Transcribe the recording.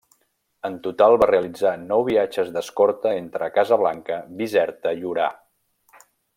En total va realitzar nou viatges d'escorta entre Casablanca, Bizerta i Orà.